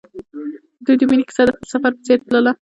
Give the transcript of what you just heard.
د دوی د مینې کیسه د سفر په څېر تلله.